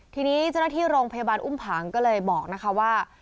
ทีนี้เจ้าหน้าที่โรงพยาบาลอุ้มผังก็เลยบอกนะคะว่า